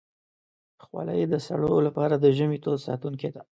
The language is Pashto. خولۍ د سړو لپاره د ژمي تود ساتونکی ده.